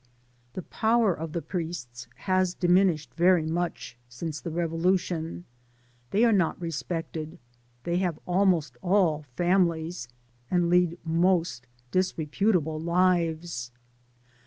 The power of the priests has diminished very much since the Revolution. They are not re spected ; they have almost all families, and lead most disreputable lives.